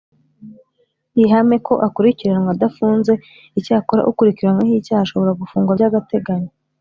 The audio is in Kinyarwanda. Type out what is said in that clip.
ihame ko akurikiranwa adafunze Icyakora ukurikiranyweho icyaha ashobora gufungwa by agateganyo